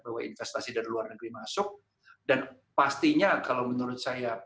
bahwa investasi dari luar negeri masuk dan pastinya kalau menurut saya